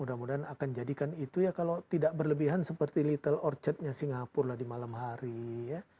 mudah mudahan akan jadikan itu ya kalau tidak berlebihan seperti little orchatnya singapura di malam hari ya